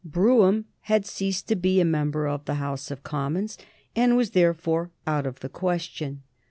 Brougham had ceased to be a member of the House of Commons, and was therefore out of the question.